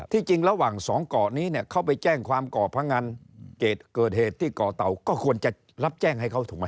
จริงระหว่างสองเกาะนี้เนี่ยเขาไปแจ้งความเกาะพงันเกิดเหตุที่ก่อเต่าก็ควรจะรับแจ้งให้เขาถูกไหม